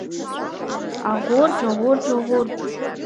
Аӷәырџ, аӷәырџ, аӷәырџ.